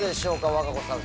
和歌子さん